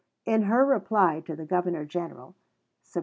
In her reply to the Governor General (Sept.